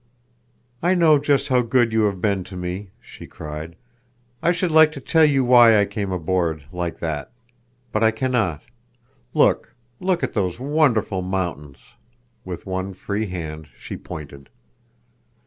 "I know just how good you have been to me," she cried. "I should like to tell you why I came aboard—like that. But I can not. Look! Look at those wonderful mountains!" With one free hand she pointed.